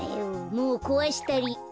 もうこわしたり。